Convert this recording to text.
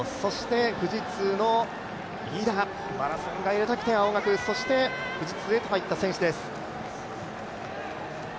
富士通の飯田、マラソンがやりたくて青学、そして富士通へと入った選手です。